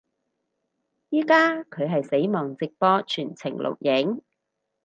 依家佢係死亡直播全程錄影